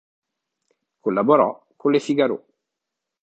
Collaborò con Le Figaro.